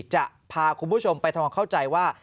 จะพาคุณผู้ชมไปทำความเข้าใจว่า